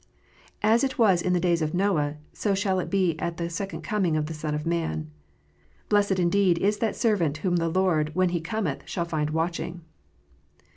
As it was in the days of Noah, so shall it be at the second coming of the Son of Man. Blessed, indeed, is that servant whom the Lord, when He cometh, shall find watching